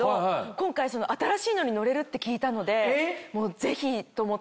今回新しいのに乗れるって聞いたのでぜひ！と思って。